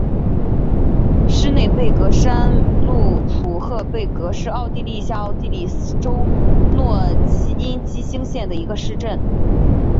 施内贝格山麓普赫贝格是奥地利下奥地利州诺因基兴县的一个市镇。